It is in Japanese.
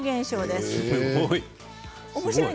すごい！